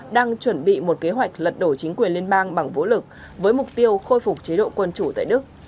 đang chuẩn bị một kế hoạch lật đổ chính quyền liên bang bằng vũ lực với mục tiêu khôi phục chế độ quân chủ tại đức